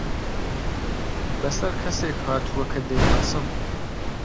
بەسەر کەسێک هاتووە کە دەیناسم.